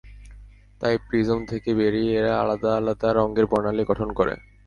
তাই প্রিজম থেকে বেরিয়ে এরা আলাদা আলাদা রঙের বর্ণালী গঠন করে।